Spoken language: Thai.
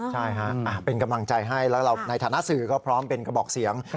ใช่ฮะเป็นกำลังใจให้แล้วเราในฐานะสื่อก็พร้อมเป็นกระบอกเสียง